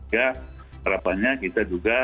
ya harapannya kita juga